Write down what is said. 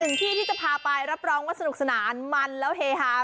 ที่ที่จะพาไปรับรองว่าสนุกสนานมันแล้วเฮฮา